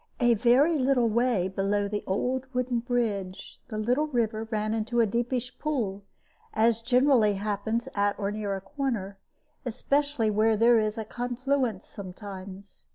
A very little way below the old wooden bridge the little river ran into a deepish pool, as generally happens at or near a corner, especially where there is a confluence sometimes.